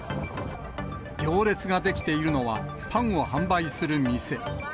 行列が出来ているのは、パンを販売する店。